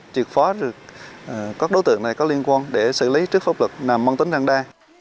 truyệt phó các đối tượng này có liên quan để xử lý trước pháp luật nằm mong tính răng đa